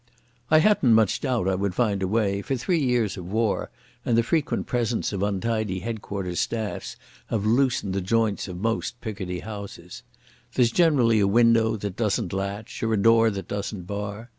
I hadn't much doubt I would find a way, for three years of war and the frequent presence of untidy headquarters' staffs have loosened the joints of most Picardy houses. There's generally a window that doesn't latch or a door that doesn't bar.